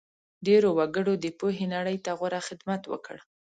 ډېرو وګړو د پوهې نړۍ ته غوره خدمت وکړ.